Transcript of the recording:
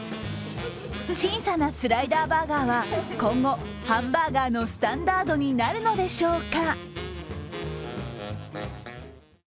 小さなスライダーバーガーは今後、ハンバーガーのスタンダードになるのでしょうか。